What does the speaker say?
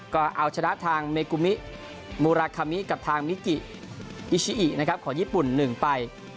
ก็เอาชนะทางเมกุมิมูราคามิกับทางมิกิอิอิชิอินะครับของญี่ปุ่น๑ไป